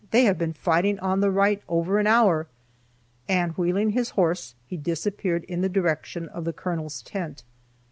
They have been fighting on the right over an hour!" And wheeling his horse, he disappeared in the direction of the colonel's tent.